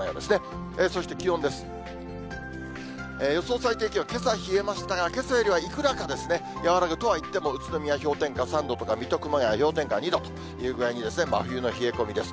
最低気温、けさ、冷えましたが、けさよりはいくらか和らぐとはいっても、宇都宮氷点下３度とか、水戸、熊谷、氷点下２度という具合に、真冬の冷え込みです。